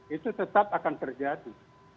itu tetap akan terjadi